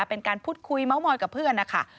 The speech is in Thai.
เป็นการพูดคุยเมาส์มอยกับเพื่อนนะคะ